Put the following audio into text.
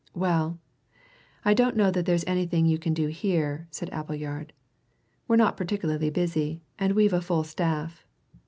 "Well, I don't know that there's anything you can do here," said Appleyard. "We're not particularly busy, and we've a full staff.